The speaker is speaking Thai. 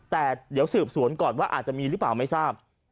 แต่เดี๋ยวสืบสวนก่อนว่าอาจจะมีหรือเปล่าไม่ทราบ